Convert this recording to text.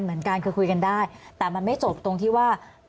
เหมือนกันคือคุยกันได้แต่มันไม่จบตรงที่ว่า